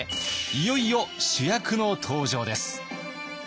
いよいよ主役の登場です。